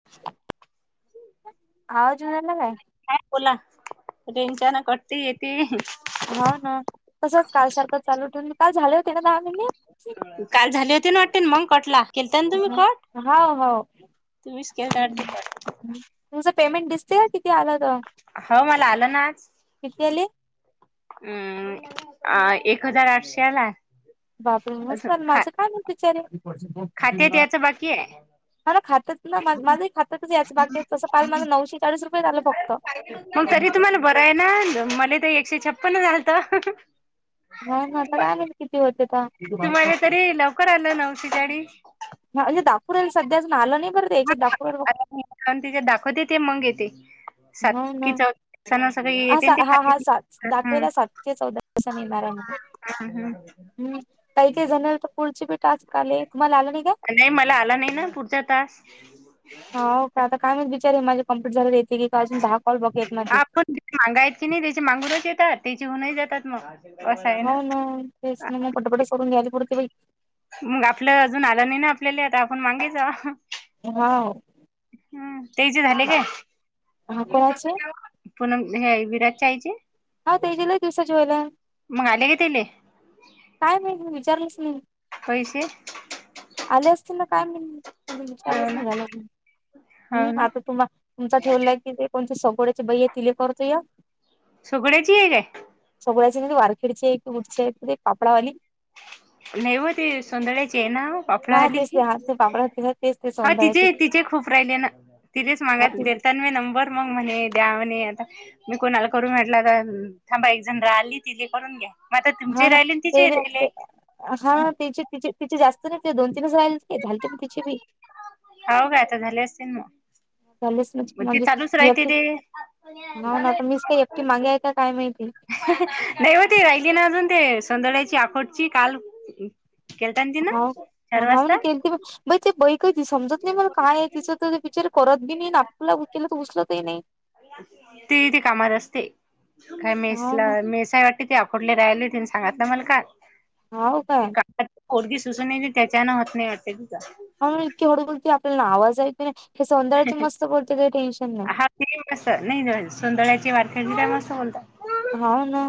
[inaudible] हावा झुनला काय का तला टेनच्यान कटती येते हो ना तसंच काल सारखं चालू ठेवून काल झाले होते ना दहा मिहिने काल झाली होती ना वाटेन मग कटला केलता ना तुम्ही हा हो कट म्हीच केलता वाटते कट तुमचं पेमेंट दिसते का किती आलं तर हो मला आलं ना आज किती आले हम्म एक हजार आठशे आल बाबरे मस्त आहे माझं काय नाही बिचारे खात्यात याचं बाकी आहे ह हा ना खात्यात ना माझं खात्यातच यायची बाकी तसं काल माझ नऊशे चाळीस रुपये झालं फक्त मग तरी तुम्हाला बरं आहे ना मला तर एकशे छप्पन्न झालंत हो ना आता काले किती होते आ तु माला तरी लवकर आलं नाऊ शिकाडी ह म्हणे दाखोरेला स्याच आलं नाही बरं त्याच्या दखूरेला ब पण ति जे दाखवते ते मग येते सात हो ना कि चौवर सगळे हा येते सा- ते हा हा खाली सात हम दाखवायला सातशे चौदा दिवसांनी येणार आहे म्हणे हम हम्म काही काही जण्याल तर पुढचे बी टास्क आले तुम्हाला आला नाही का नाही मला आला नाही ना पुढचा तास हा हो का आता काय माहीत बिचारे माझे कं्प्लीट झालेेते की का अजून दहा कॉल बाकी आहे माझे मांगाय की नाही त्याची मागरच येतात त्याची होऊनही जातात मग असं आहे हो ना तेच ना मग पटापट सोडून घ्यायली पुढेि बा मग आपलं अजून आलं नाही ना आपल्याला आता आपण मागायचं हा हम् ते जे झाले का हा कोणाचे पुनम हे विराटच्याचाईचे हा तेजला दिवसाची वला मगाले का तेले काय नाहीहि विचारलंच नाही होसे आले असतील ना काय हो विचारलंच ना नाही झाला हो हम् ना आता तुम्हा तुमचा ठेवला की ते कोणते सगोड्याचे बही आहे तिले करतो या सुगड्याची एक का आहे सगळळेचे क तु वार खिळचे आहे क उठचे पुे पापडा वाली नेहवती सुंदळे्या जेना पापड हा हली तेच ते हा ते पापड तेच ते हो सौंदळ्याची तिचे तिचे खूप राहिले ना तिथेच हा ती मागाता मी नंबर मग म्हणे द्या म्हणे आता मी कोणाला करून भेटला तर थांबा एक जण राहिली ति जे करून घ्या मग आता हा तुमचेही ना राहिले आणि ते तिचेही ते राहिले हा तिचे तचे तिचे जास्त नाही ते दोन तीनच राहि का झालते म तिचे बी ह का आता झाले असतील मग झालेच मग ती म्हणजे चालूच मी राहते ते हो ना आता मीच का एकटी मागे आहे काय माहिती दैवती राहिली ना अजून ते सधळ्याची आखोटची काल केलतन तीन छार वास्ता बई ते बैक त समजत नाही मला काय आहे तिच तर विचार करत बी नाही नाुला केलं तर उचलतही नाही ते ते कामात असते काय हाव मेसला ना मेसाई वाटत ि आपोडले राहिले ति सांगत ना मला का हाव काय कोडगी सुसण्याची त्याच्यान हात नाही वाटते तुझ ह इतकी हळू बोलते आपल्याला आवाज ऐक नाही की सौंा्याची मस्त बोलते काही टेन्शन नाही हा ते मस नाही सोंदळ्याची वारखंडी का मसं बोलतात हा ना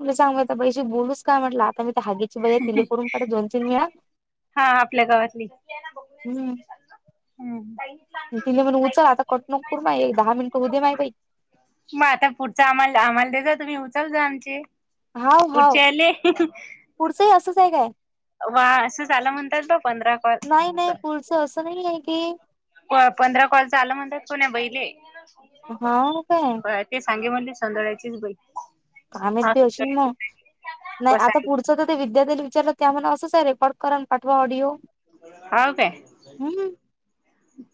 मला सांगूयता पैशी बोलूस काय म्हटलं आता मी तर हागीच भैया तिले करून काढ जोनचेल मिळा हा आपल्या गावातली हम्म हम्म तिने म्हण उचल आता कटनकूर मा एक दहा मिनिटं उद्या मा बाई मग आता पुढच आम्हाला आम्हाला दे जा तुम्ही उचल जा आमचे हाव हाव पुढचेले पुढचंही असच आहे काय वा असं झाला म्हणतात बा पंधरा क नाही नाही पुढचं असं नाही आहे की पंधरा कॉल झाला म्हणतात को नाही बहिले हा काय ते सांगे म्हणले सोंदळायचीच बै कामेत बी असेल मग नाही कस आता पुढच तर विद्याथ्यांनी विचारलं त्यामुळे असंच रेकॉर् करा ना पाठवा ऑडिओ हा का हम्म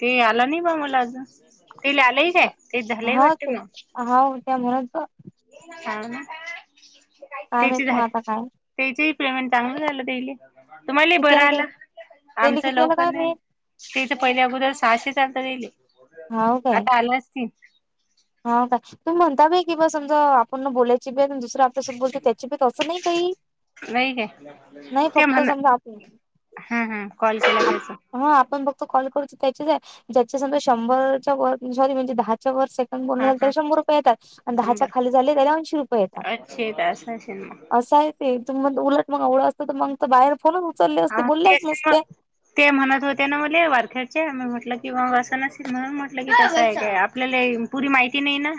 ते आलं नाही बा मला अजून ते ल आलंही का आहे हा ते हा त्या म्हणून ह ना काय माहित त्याचीच मग आता काय त्याचीही पेमेंट चांगलं झालं देले तुम्हाला किती बरं आलं काय आला तेले आमच किती आलं लवकर काय नाहीलं माहित तेथं पहिले अगोदर सहाशे आलात त्यायले हाव काय ते हा काय तुम्ही म्हणता बा की बा समज आपण न बोलायची बी आपल्यास बोलत त्याची प तसं नाही काही, नाही काय नाही ते फक्त म्हण समजा आप हा हा कॉल केला त्याचा. हा आपण फक्त कॉल करू त्याची आहे, ज्याच्या संघ शंभरच्या वर सॉरी म्हणजे दहाच्या वर स [unintelligible] हा बोललो तर हा शंभर रुपये येतात आणि दहाच्या खाली झाले त्याला ऐंशी रुये येतात. अच्छेदार. [unintelligible] असं आहे ते [unintelligible] उलट मग एवढं असतं तर मग बाहेर फोनच उचलले असते हा बोलल्याच तेच नसते. मग ते म्हणत होते ना मले वारखेडचे मी म्हटलं किंवा वसना [unintelligible] म्हटलं कि कसं आहे काय आपल्याला पुरी माहिती नाही ना,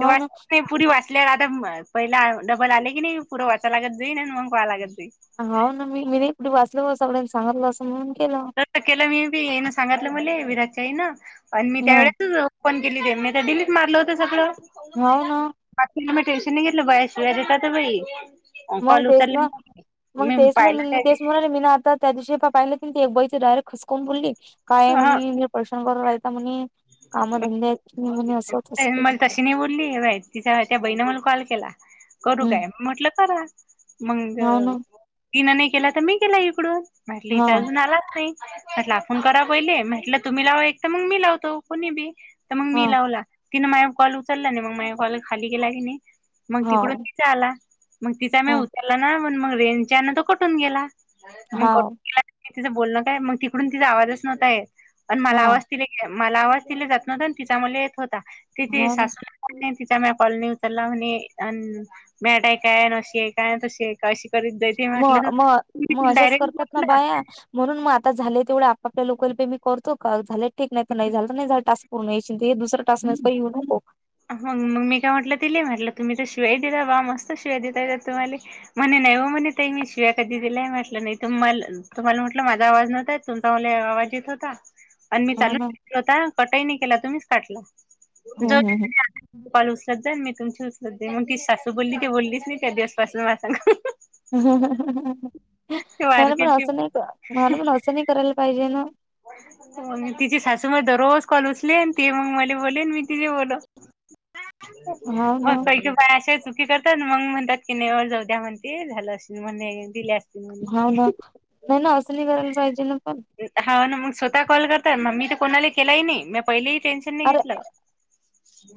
ते ना वाटते. पुरी वाचल्या आ [unintelligible] पहिला डबल आले की नाही पुड वाचायला लागत जाई नाही मग पहा लागत [unintelligible] हो ना मी, मी [unintelligible] वाचल हो सगळ्यांना सांगत बसवून केलं. तसं केलं मी बी येन सांगितलं म्हणले विराजच्याई ना आणि मी त्या ह वेळे पण गेली ते मी तर डिलीट मारलं होतं सगळं. हाव ना. बाकी [unintelligible] टेन्शन नाही घेतलं बाय शिवा देतात बाई. मग कॉल तेच उचलले ना, मग तेच ना पाहिला मी त्या तेच म्हणाले मीन आता. त्या दिवशी प पाहिलं ते एक बाई डायरेक्ट हसकवून बोलली काय म्हणे दिवशी हेने परेशान करू राहता म्हणे. कामधंदे आहेत म्हणे असं तसं मला तशी नाही बोलली [unintelligible] तिच्या त्या बाईन मला कॉल केला. करू हम्म काय म्हटलं करा. मग हाव ना. तीन नाही केला तर मी केला इकडून म्हटल हा, हिचा अजून आलाच नाही. म्हटलं आपण करा पहिले म्हटलं तुम्ही लावा एक तर मग मी लावतो कुणी बी. तर मग हा, मी लावला, तिनें माझ कॉल उचलला नाही मग माझ कॉल खाली गेला की नाही. मग तिकडून हाव, तिचा आला मग तिचा मी हा, उचला नाही मग रेंच्यान तो कटून गेला. मग हाव, [unintelligible] बोलणं काय मग तिकडून तिचा आवाजच नव्हता येत आण मला हा, आवाज ति [unintelligible] मला आवाज तिले जात नव्हता तिच्या मले येत होता तिथ हो ना. सासू नाही तिचा म्या कॉल नाही उचला म्हने अन् मॅट आहे काय अशी आहे काय तशी काय शिकायली म म म अशाच करतात ना म्हटलं बाया. म्हणून मग आता झाले तेवढे आपापल्या लोकल पे मी करतो कॉल झाले ठीक नाही, नाही झालं तर नाही झालं टास्. पुर्ण येशिल तेव्हा दुसरा टास्क नस्ता घेऊ नको. मग मग मी काय म्हटलं तिले म्हटलं तुम्ही तर शिवाय दिल बा मस्त शिव्या देताय [unintelligible] तुम्हाले. म्हणे नाही हो म्हणे ते मी शिव्या कधी दिलाय म्हटलं नाही त मल तुम्हाला म्हटलं माझा आवाज नव्हता तुमचा मला आवाज येत होता. [inaudible] आणि मी चाल ना. [unintelligible] कटई नाही केला तुम्हीच काटला. हो हो हो. जाऊदे कॉल उचलत जाल मी तुमची उचलत जाईन मग ती सासू बोलली ती बोललीच [unintelligible] पासून वाचून. मला पण मार्केटची असं नाही, [unintelligible] मला पण असं नाही करायला पाहिजे ना. म तिची सासू म दररोज कॉल उचले ते मग मला बोले मी तिजे बोल. [unintelligible] हाव ना, बाय अशेच. करतात मग म्हणतात की नाही हो जाऊ द्या म्हणती झालं असं म्हणे दिल्यात. हाव ना, नाही ना असली करायला जायचे ना पण. हा ना मग स्वतः कॉल करता मग मी कोणाला केलाही नाही मी पहिलेही टेन्शन नाही घेतलं.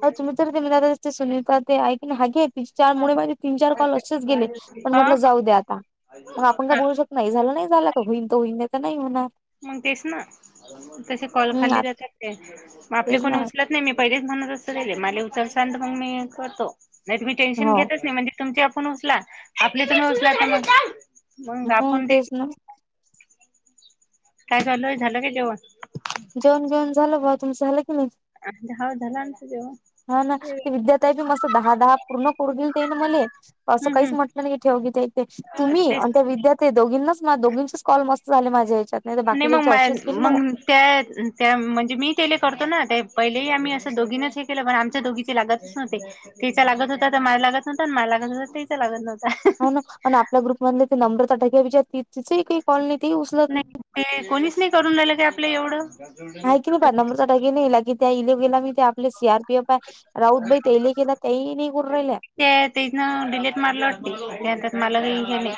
तोच विचार करून [unintelligible] तिच्या मुळे माझे तीन चार कॉल असेच गेले पण हा म्हटलं जाऊ द्या आता, मग आपण का हा बोलू शक नाही झालं नाही झाला का होईन त होईन नाही तर नाही होणार. मग तेच ना, तसे कॉल हम्म आ खाली राहत्यात काय, आपले तेच कोणी ना उचलत नाही मी पहिलेच म्हणत असतो त्याले मला उचलसाल मग मी करतो नाही त मी टेन्शन हो घेतच नाही म्हणजे तुमची आपण उचला, आपली तुम्ही उचला [unintelligible] मग हम आपण ते तेच ना. काय झालं, झालं काय जेवण? जेवन बेऊन झालं बा, तुमचं झालं की नाही? [unintelligible] झाला आमचं जेवण. हा ना ते विद्या ताई मस् दहा दहा पूर्ण करू दिल ते ना मला असं हम्म काहीच हम्म म्हटलं नाही ठेव घी ते तुम्ही तेच आणि त्या विद्यार्थ ते दोघींनाच दोघंचेच कॉल मस्त झाले माझ्या या्याच्यात नाही तर बाकीच्या मग या्याचे मा असेच के ना मग त्या त्या म्हणजे मी तेले करतो ना ते पहिलेही आम्ही असं दोघीनच हे केलं पण आमच्या दोघीचे लागत नवते तिच्या लागत होता तर मला लागत नव्हता आणि मला लागत होता तिच्या लागत नव्हता हा ना आणि आपल्या ग्रुप मधले ते नंबर तर टाक ति काही कॉलनी त उचल नाही ते कोणीच नाही करून राहिलं काय आपलं एवढं आहे की नाही प नंबरचााकीे नाहीला की त्या इले गेला मी ते आपले सी आरपीएफ आहे राऊतबाई ते इले केेला ती आई नाही करू राहिल्या ते तन डिलेट मारलं वाटते त्यानंतर मला घेले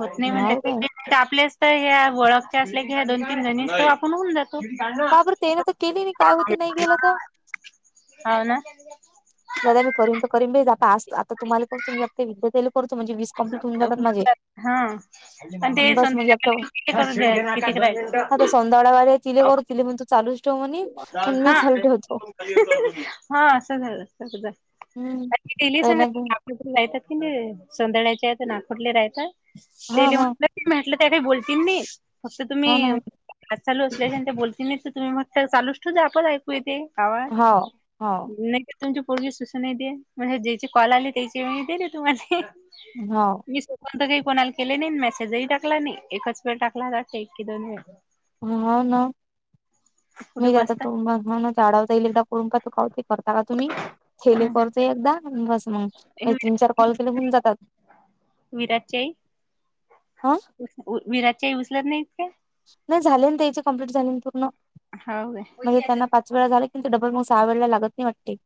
होत् नाही म्हण हाव काय ते आपल्यास तर ह्या ओळखच्या असल्या की ह्या दोन तीन जणी तो आपण होऊन जातो पहा बरं केली नाही काय होती नाही गेलं तर हा ना दादा मी करन तर करीन भे आता तुमला करतो एक विद्याताई ला करतो म्हणजे कंप्लीट होऊन जातात माझे हा आणि ते बस मग एकटं दड्यागाड्या तिले कर तिले मण तू चालूच ठेव म मी हा चालू ठेवतो हा असं झालं स हम्म त नाही ग हतात की संद्याचे नाकुरले राहतात ते हा हा लिहून म्हटलं त्या काही बोलतील नाही फक्त हो ना तुम्ही आज चालू असल्या आणि ते बोलतील नाही तर तुम्ही मग चालूच ठेवते आपण ऐकू य तेे आवाज हाव हाव तुमची पोरगी सुस दे म्हणजे ज्याची कॉल आली त्याची दे र तुम्हाला होा मी स्वपंत काही कोणाला केले नाही मेसेजही टाकला नाही एकच वेळ टाकला लाट एक की दोन वेळ ह ना कुठे मी आता बसता तो डाव जाईल एकदा करून पा त का ते करता का तुम्ही खेले कर एकदा ब मगे तीन चार कॉल केले होऊन जातात विराचे हं विराजच्या उचलत नाहीत का नाही झाले त्याची कंप्लीट झा पूर्ण हाव काय म्हणजे त्यांना च वळा झा किी ते डबल मग सहा वेळे लागत नाही वाटते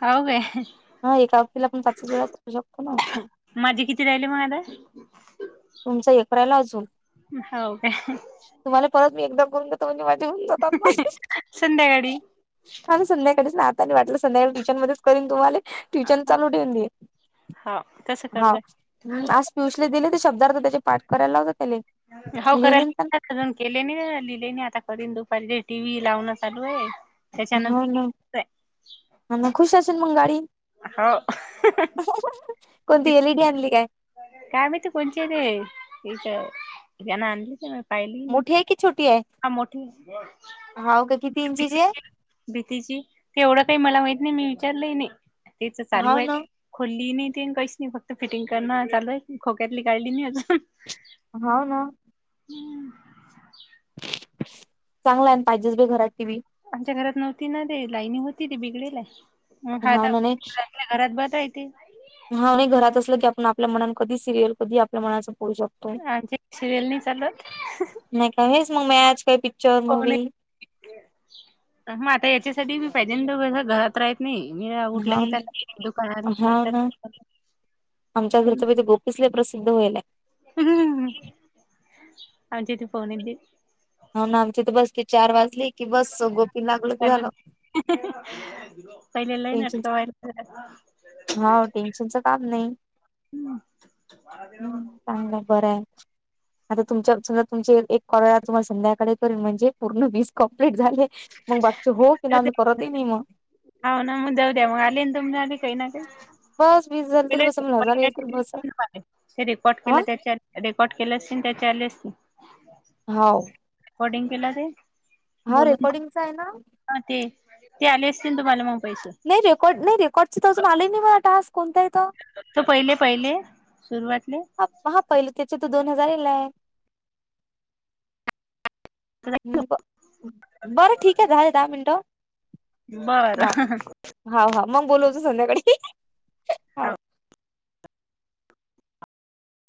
हाव काय हा एका अवतीला आपण पाचवीच वेळा करू शकतो ना माझे किती राहिले मग आला तुमचा एकराला अजून हाव काय तुम्हाला परत मी एकदा करून दोन्ही मध्ये होात म [inaudible] संध्याकाळी हा संध्याकाळी ना आता वाटलं संध्याकाळी किचन मध्येच करन तुम्हाला ट्युशन चालू ठेवून दे हा तसं हा करजा हम आज पिऊषले दिले ते शब्दार्थ त्याचे पाठ करायला लावता त्याला हो करायला अजून केलेने लिहिलेने आता करीन दुपारी टी व्ही लावणं चालू आहे हो ना त्याच्यानंतर ना खुश असेल मग गाडी हो कोणती एलईडी आणली काय काय माहीत कोणची [inaudible] र त जण आणली ना मोठी आहे की छोटी आहे ह का किती इंची चे आहे भीतीची भीतीची ते एवढं काही मला माहित नाही मी विचारलंय नाही तेच चालू हाव ना आहे खोलली नाही ती काहीच नाही फक्त फिटिंग करणं चालय खोक्यातली काढली नाही अजून हाव ना हम्म चांगला ए... पाहिजेच बी घरात टी व्ही आमच्या घरात नव्हती ना... ते लाईनी होती... ती बिगडेल ए... मग [unintelligible] हाव ना नाही नई... घरात बस ए ते हा नई.. घरात असलं की... आपण... आपल्या मनानं... कधी सिरीयल... कधी आपल्या मनाचं पोहू शकतो आमच्यात सिरियल नई चालत नई का... हेच मग मॅच... काय पि [unintelligible] मग आता याच्यासाठी बी पाहिजे... दोघंजण, घरात राह नई... मी हा उठला... की चालले दुकानात... हा उठला की ना [unintelligible] किसले प्रसिद्ध व्हायलाय हूं... आमच्या इथे फोन येतील हो... ना... आमच्या इथे... बस की चार वाजले... की बस... गोपी लागलं की झालं हूं हूं पहिले लई टेन्शन नाटकं हा टेन्शनचं काम नाही [unintelligible] हूं हूं... चांगलं... बरं ए आता तुमच्या... समजा तुमचे एक... एक कॉल आला... तर तुम्हाला संध्याकाळी करेन... म्हणजे पूर्ण वीस कम्प्लीट झाले मग बाकचे... हो की नाय... मग मी करतही नई मग हाव ना... मग जाऊ द्या... मग आले ना... तुमच्या कडं काई ना काई बस वीस [inaudible] झाले ते तर बस मला हजार येईल तर बस रेकॉर्ड हा केलं त्याच्यात रेकॉर्ड केले असतील... त्याचे आले असतील हाव रेकॉर्डिंग केला ते? हा... बोलून रेकॉर्डिंगचं हाय ना? हा... ते... ते आले असतील... तुम्हाला मग पैसे नई... रेकॉर्ड... रेकॉर्डचा तर अजून आले नई मला टास्क... कोणता ए तो त... पहिले पहिले सुरुवातले हा पहिले... त्याचे तर दोन हजार येयले हूं... बरं ठीक ए... झाले दहा मिनटं बरं... हं हं हं हाव... हाव... मग बोलवतो... संध्याकाळी.... हाव हो